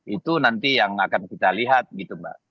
itu nanti yang akan kita lihat gitu mbak